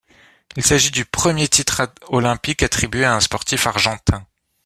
Il s'agit du premier titre olympique attribué à un sportif argentin.